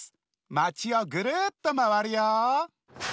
まちをぐるっとまわるよ。